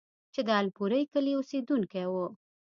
چې د الپورۍ کلي اوسيدونکی وو،